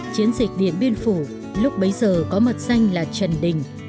chiến dịch điện biên phủ lúc bấy giờ có mật danh là trần đình